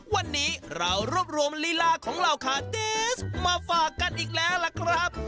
วันนี้เรารวบรวมลีลาของเหล่าคาติสมาฝากกันอีกแล้วล่ะครับ